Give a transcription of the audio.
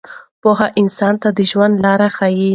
پوهه انسان ته د ژوند لاره ښیي.